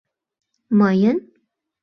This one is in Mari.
Мыйын?